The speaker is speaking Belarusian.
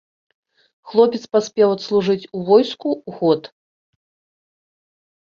Хлопец паспеў адслужыць у войску год.